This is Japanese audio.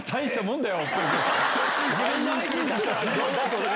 自分の愛人出したらね。